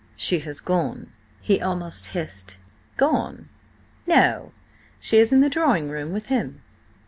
"She has gone?" he almost hissed. "Gone? No! She is in the drawing room with him."